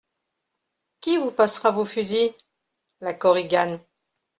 Qui vous passera vos fusils ? LA KORIGANE.